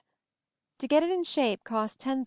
To get it in shape cost $10, 000.